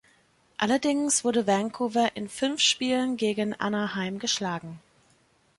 Allerdings wurde Vancouver in fünf Spielen gegen Anaheim geschlagen.